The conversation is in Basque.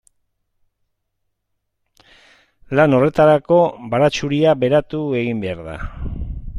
Lan horretarako baratxuria beratu egin behar da.